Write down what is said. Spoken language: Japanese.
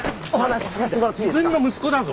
自分の息子だぞ。